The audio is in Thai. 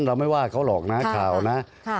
เราไม่ว่าเขาหรอกนะข่าวนะ